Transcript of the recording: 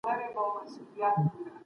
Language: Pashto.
یو پر بل غوره والی نشته.